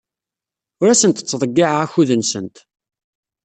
Ur asent-ttḍeyyiɛeɣ akud-nsent.